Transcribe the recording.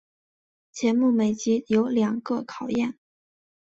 节目每集有两个考验。